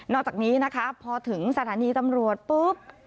อกจากนี้นะคะพอถึงสถานีตำรวจปุ๊บ